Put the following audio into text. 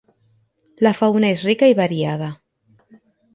La fauna es rica y variada.